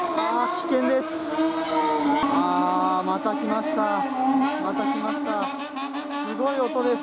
危険です。